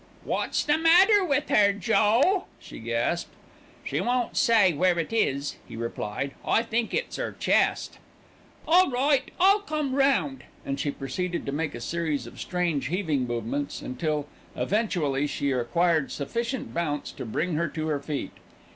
"What's the matter with 'er, Joe?" she gasped. "She won't say where it is," he replied. "I think it's 'er chest." "All right, I'll come round," and she proceeded to make a series of strange heaving movements until, eventually, she acquired sufficient bounce to bring her to her feet.